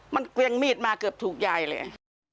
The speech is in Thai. มันเครื่องมีดมาเกือบถูกใหญ่เลย